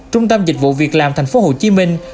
trung tâm dịch vụ việc làm thành phố hồ chí minh